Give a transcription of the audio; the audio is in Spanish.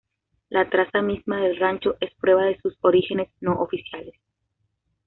La traza misma del rancho es prueba de su orígenes no oficiales.